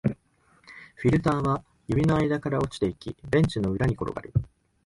フィルターは指の間から落ちていき、ベンチの裏に転がる